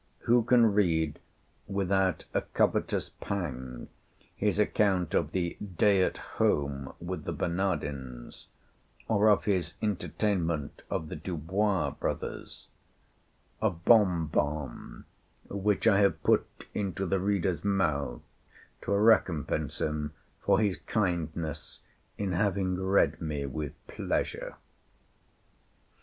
Who can read without a covetous pang his account of 'The Day at Home with the Bernadins,' or of his entertainment of the Dubois brothers, of the Rue du Bac, "a bonbon which I have put into the reader's mouth to recompense him for his kindness in having read me with pleasure"?